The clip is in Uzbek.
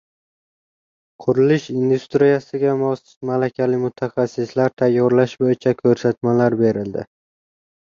Qurilish industriyasiga mos malakali mutaxassislar tayyorlash bo‘yicha ko‘rsatmalar berildi